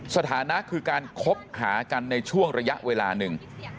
สถานะคือการคบหากันในช่วงระยะเวลาหนึ่ง